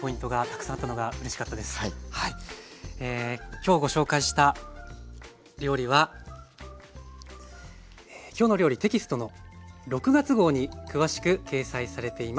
今日ご紹介した料理は「きょうの料理」テキストの６月号に詳しく掲載されています。